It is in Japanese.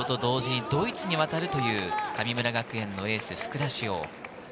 卒業と同時にドイツに渡るという神村学園のエース・福田師王。